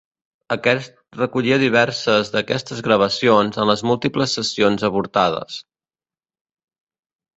Aquest recollia diverses d'aquestes gravacions de les múltiples sessions avortades.